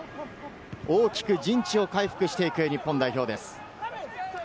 大きく陣地を回復していく日本代表です。